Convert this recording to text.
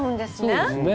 そうですね。